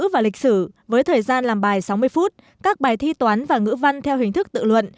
và lịch sử với thời gian làm bài sáu mươi phút các bài thi toán và ngữ văn theo hình thức tự luận